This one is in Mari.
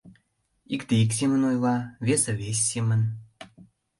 Икте ик семын ойла, весе вес семын.